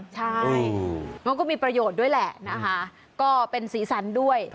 ใช่มันก็มีประโยชน์ด้วยแหละนะคะก็เป็นสีสันด้วย